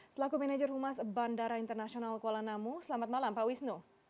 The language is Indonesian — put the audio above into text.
selaku manajer humas bandara internasional kuala namu selamat malam pak wisnu